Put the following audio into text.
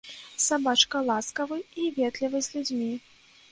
Сабачка ласкавы і ветлівы з людзьмі.